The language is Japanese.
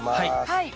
はい。